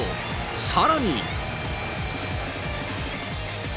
さらに。